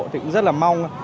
thì cũng rất là mong